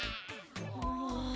ああ。